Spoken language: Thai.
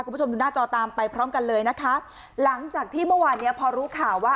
คุณผู้ชมดูหน้าจอตามไปพร้อมกันเลยนะคะหลังจากที่เมื่อวานเนี้ยพอรู้ข่าวว่า